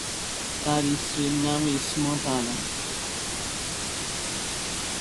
তার স্ত্রীর নাম ইসমত আরা।